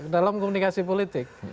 dalam komunikasi politik